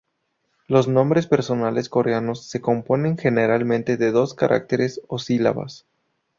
Los nombres personales coreanos se componen generalmente de dos caracteres o sílabas.